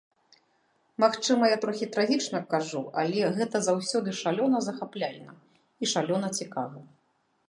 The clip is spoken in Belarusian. Магчыма, я трохі трагічна кажу, але гэта заўсёды шалёна захапляльна і шалёна цікава.